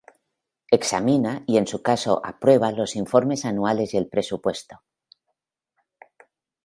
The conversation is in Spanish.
Examina, y en su caso, aprueba los informes anuales y el presupuesto.